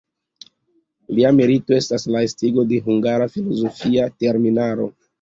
Lia merito estas la estigo de hungara filozofia terminaro.